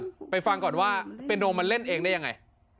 พีชดูใช่มึงก่อนแล้วว่าเปเนามันเล่นเองได้ยังไง